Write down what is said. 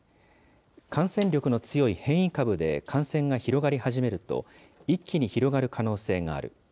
感染力の強い変異株で感染が広がり始めると、一気に広がる可能性がある。